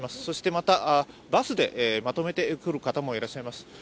そしてまたバスでまとめて来る方もいらっしゃいます。